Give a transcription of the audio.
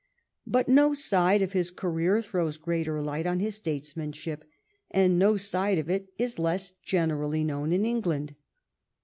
But no side of his career throws greater light on his statesmanship, and no side of it is less generally known in England.